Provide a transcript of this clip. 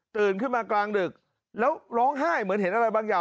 ขึ้นมากลางดึกแล้วร้องไห้เหมือนเห็นอะไรบางอย่าง